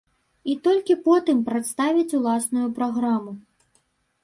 І толькі потым прадставіць уласную праграму.